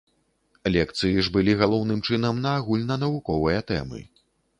Лекцыі ж былі, галоўным чынам, на агульнанавуковыя тэмы.